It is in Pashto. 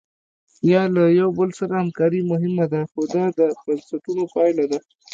یا له یو بل سره همکاري مهمه ده خو دا د بنسټونو پایله ده.